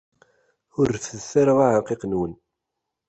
Ur reffdet ara aɛenqiq-nwen!